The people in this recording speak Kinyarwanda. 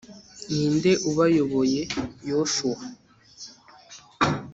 ninde ubayoboye yoshuwa